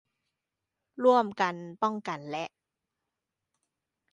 ร่วมกันป้องกันและ